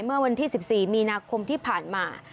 เมื่อวันที่๑๔มีนาคมที่ผ่านมา